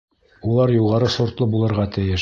Улар юғары сортлы булырға тейеш.